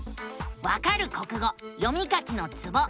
「わかる国語読み書きのツボ」。